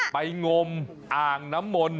งมอ่างน้ำมนต์